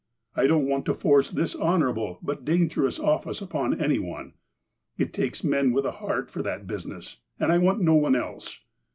I don't want to force this honourable but dangerous office upon any one. It takes men with a heart for that business, and I want no one else.